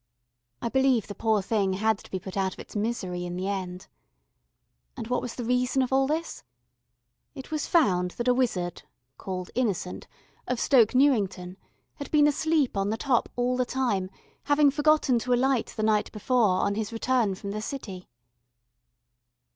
I believe the poor thing had to be put out of its misery in the end. And what was the reason of all this? It was found that a wizard, called Innocent, of Stoke Newington, had been asleep on the top all the time, having forgotten to alight the night before, on his return from the City.